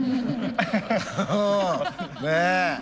ねえ。